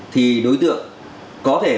thì đối tượng có thể